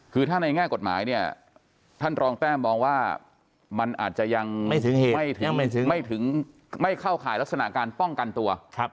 คือถ้าในแง่กฎหมายเนี่ยท่านรองแต้มมองว่ามันอาจจะยังไม่ถึงไม่เข้าข่ายลักษณะการป้องกันตัว